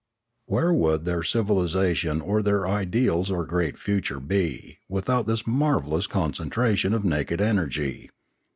Where would their civilisation or their ideals or great future be without this marvellous concentration of naked energy